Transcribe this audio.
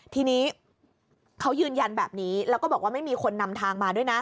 ทีนี้เขายืนยันแบบนี้แล้วก็บอกว่าไม่มีคนนำทางมาด้วยนะ